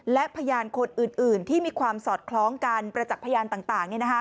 และพยานคนอื่นที่มีความสอดคล้องกันประจักษ์พยานต่าง